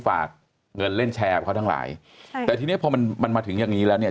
ฝากเงินเล่นแชร์เขาทั้งหลายพอมันมาถึงอย่างนี้แล้วเนี่ย